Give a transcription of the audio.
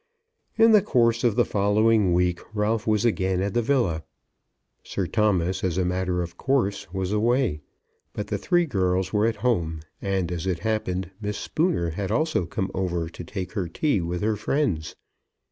In the course of the following week Ralph was again at the villa. Sir Thomas, as a matter of course, was away, but the three girls were at home; and, as it happened, Miss Spooner had also come over to take her tea with her friends.